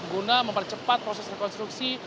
guna mempercepat proses rekonstruksi